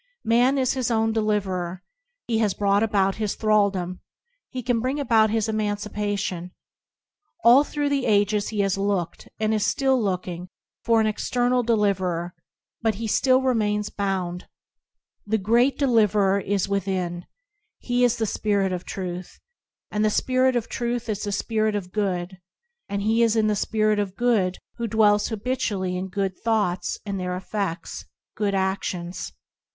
Man is his own deliverer. He has brought about his thral dom; he can bring about his emancipation. All through the ages he has looked, and is still looking, for an external deliverer, but he still remains bound. The Great Deliv erer is within; He is the Spirit of Truth; and the Spirit of Truth is the Spirit of Good ; and he is in the Spirit of Good who dwells habitually in good thoughts and their efFe&s, good a&ions.